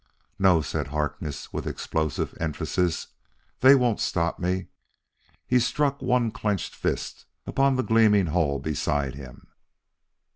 "No!" said Harkness with explosive emphasis. "They won't stop me." He struck one clenched fist upon the gleaming hull beside him.